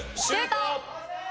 シュート！